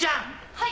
はい。